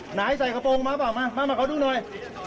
ไหนใส่กระโปรงมาเปล่ามามาขอดูหน่อย